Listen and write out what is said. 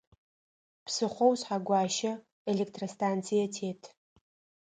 Псыхъоу Шъхьэгуащэ электростанцие тет.